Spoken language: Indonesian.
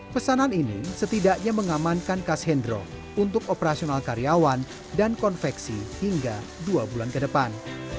pesanan ini setidaknya mengamankan kas hendro untuk operasional karyawan dan konveksi hingga dua bulan ke depan